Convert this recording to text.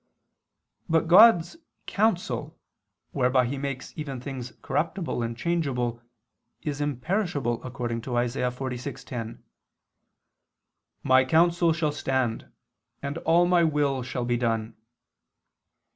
But God's "counsel" whereby He makes even things corruptible and changeable, is imperishable according to Isa. 46:10, "My counsel shall stand and all My will shall be done."